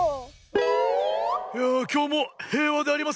いやあきょうもへいわでありますなあ。